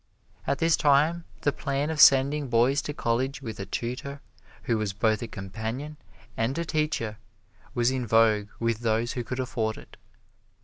At this time the plan of sending boys to college with a tutor who was both a companion and a teacher, was in vogue with those who could afford it.